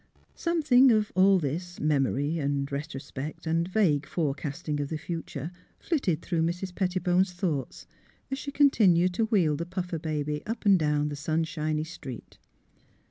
Something of all this — memory and retrospect and vague forecasting of the future flitted through Mrs. Pettibone's thoughts, as she continued to wheel the Puffer baby up and down the sunshiny street.